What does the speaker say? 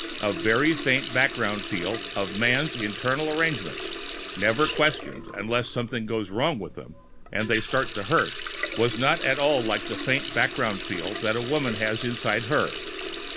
The very faint background feel of man's internal arrangements, never questioned unless something goes wrong with them and they start to hurt, was not at all like the faint background feel that a woman has inside her.